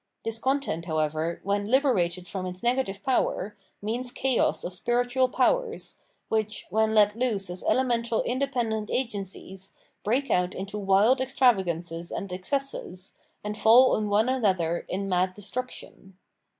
This content, however, when hberated from its negative power, means chaos of spiritual powers, which, when let loose as elemental independent agencies, break out into wild extravagances and excesses, and faU on one another in mad destruction.